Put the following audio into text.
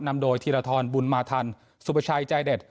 นำโดยธีรทรบุญมาทันสุประชัยใจเด็ด